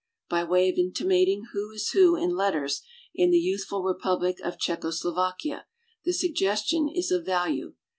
By way of intimating who is who in let ters in the youthful republic of Czecho Slovakia, the suggestion is of value.